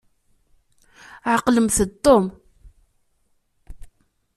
Ɛqlemt-d Tom.